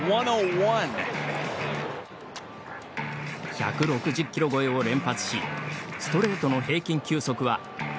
１６０キロ超えを連発しストレートの平均球速は１５７．８キロを計測。